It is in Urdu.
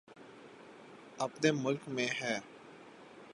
اپنے ملک میں ہے۔